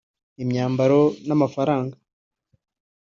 imyambaro n’amafaranga